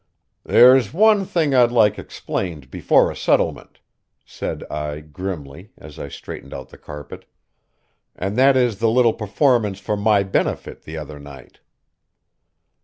"There's one thing I'd like explained before a settlement," said I grimly, as I straightened out the carpet; "and that is the little performance for my benefit the other night."